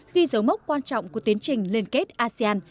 ghi dấu mốc quan trọng của tiến trình liên kết asean